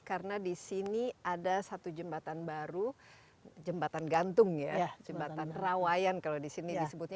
karena di sini ada satu jembatan baru jembatan gantung ya jembatan rawayan kalau di sini disebutnya